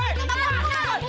aduh buruk banget sih